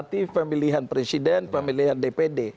nanti pemilihan presiden pemilihan dpd